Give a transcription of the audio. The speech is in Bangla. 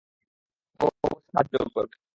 ও অবশ্যই সাহায্য করবে।